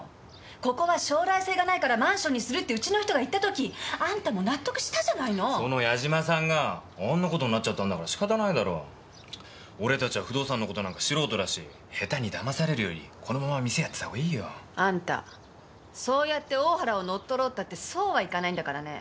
ここは将来性がないからマンションにするってうちの人が言った時あんたも納得したじゃないのその矢島さんがあんなことになっちゃったんだからしかたないだろ俺たちは不動産のことなんか素人だし下手にだまされるよりこのまま店やってたほうがいいよあんたそうやっておおはらを乗っ取ろうったってそうはいかないんだからね